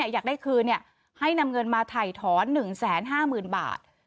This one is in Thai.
อยากได้คืนให้นำเงินมาถ่ายถอน๑๕๐๐๐บาท